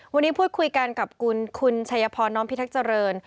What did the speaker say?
วันนี้พูดคุยกันกับคุณชัยพรน้อมพิทักษ์เจริญ